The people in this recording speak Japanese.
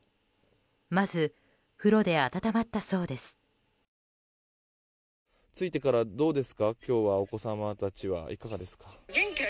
まず風呂で温まったそうです。